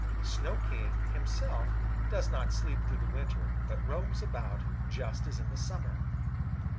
Snow King, himself, does not sleep through the winter, but roams about, just as in the summer.